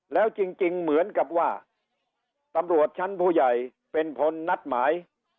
แล้วจริงเหมือนกับว่าตำรวจชั้นผู้ใหญ่เป็นคนนัดหมาย